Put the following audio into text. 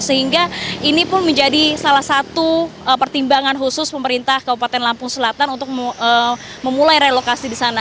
sehingga ini pun menjadi salah satu pertimbangan khusus pemerintah kabupaten lampung selatan untuk memulai relokasi di sana